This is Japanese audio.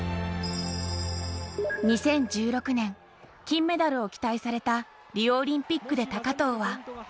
２０１６年、金メダルを期待されたリオオリンピックで高藤は。